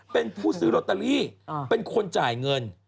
เป็นผู้ซื้อลอตเตอรี่เป็นคนจ่ายเงิน